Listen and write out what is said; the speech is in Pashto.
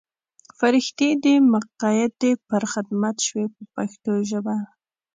فرښتې دې مقیدې پر خدمت شوې په پښتو ژبه.